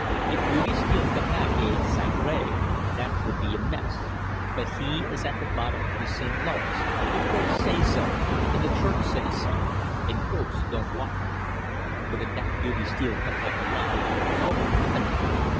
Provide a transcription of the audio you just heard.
If Beauty Steele come back eh! sacra! that would be a mess. But he is at the bottom of the St Lawrence the courts say so, and the Church say so and ghosts don't walk here.' 'But if that Beauty Steele come back alive, what would happen it?